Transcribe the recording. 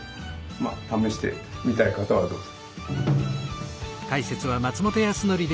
まあ試してみたい方はどうぞ。